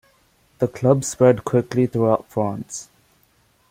The clubs spread quickly throughout France.